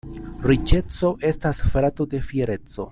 Riĉeco estas frato de fiereco.